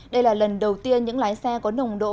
đây là lần đầu tiên những lái xe có nồng độ